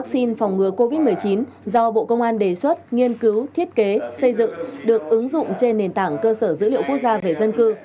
các bộ công an đề xuất nghiên cứu thiết kế xây dựng được ứng dụng trên nền tảng cơ sở dữ liệu quốc gia về dân cư